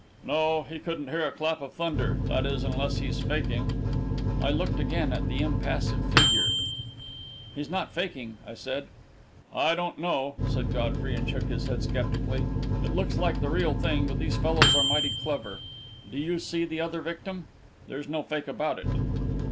"No he couldn't hear a clap of thunder. That is, unless he's faking." I looked again at the impassive figure. "He's not faking," I said. "I don't know," and Godfrey shook his head sceptically. "It looks like the real thing but these fellows are mighty clever. Do you see the other victim? There's no fake about it!"